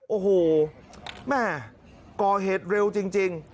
โอ้โหแม่ก่อเหตุเร็วจริง